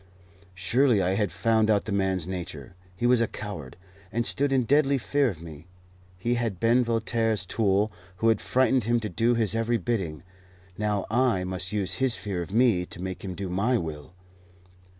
Surely I had found out the man's nature. He was a coward, and stood in deadly fear of me. He had been Voltaire's tool, who had frightened him to do his every bidding. Now I must use his fear of me to make him do my will.